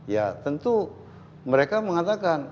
ya tentu mereka mengatakan